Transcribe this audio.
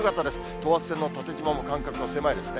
等圧線の縦じまも間隔も狭いですね。